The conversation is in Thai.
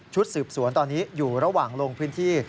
สืบสวนตอนนี้อยู่ระหว่างลงพื้นที่